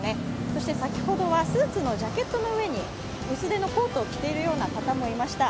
そして先ほどはスーツのジャケットの上に薄手のコートを着ているような方もいました。